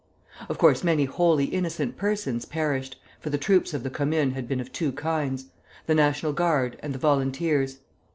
Of course many wholly innocent persons perished, for the troops of the Commune had been of two kinds, the National Guard and the Volunteers.